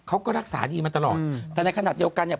เขาก็รักษาดีมาตลอดแต่ในขณะเดียวกันเนี่ย